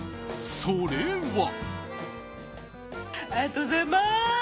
それは。